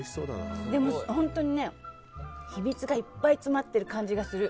でも本当に秘密がいっぱい詰まっている感じがする。